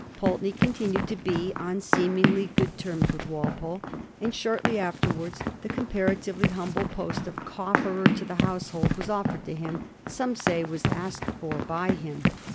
Pulteney continued to be on seemiagly good terms with Walpole, and shortly afterwards the compara tively humble post of Cofferer to the Household was offered to him — some say was asked for by him.